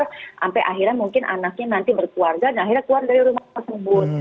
sampai akhirnya mungkin anaknya nanti berkeluarga dan akhirnya keluar dari rumah tersebut